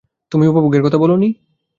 তুমিই উপভোগের কথা বলো নি?